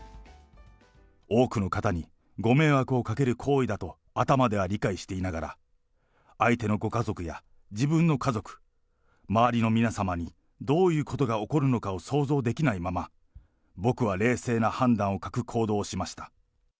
多くの方にご迷惑をかける行為だと頭では理解していながら、相手のご家族や自分の家族、周りの皆様にどういうことが起こるのかを想像できないまま、僕は冷静な判断を欠く行動をしました。